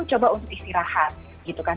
coba untuk istirahat gitu kan